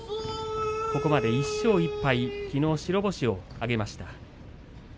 ここまで１勝１敗きのう白星を挙げました。